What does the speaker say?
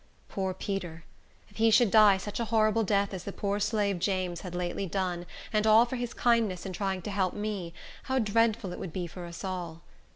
Poor Peter! If he should die such a horrible death as the poor slave James had lately done, and all for his kindness in trying to help me, how dreadful it would be for us all!